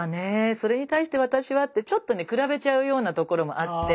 それに対して私はってちょっとね比べちゃうようなところもあって。